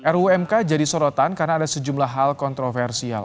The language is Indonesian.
rumk jadi sorotan karena ada sejumlah hal kontroversial